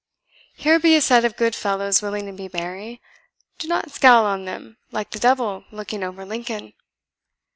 Here be a set of good fellows willing to be merry; do not scowl on them like the devil looking over Lincoln."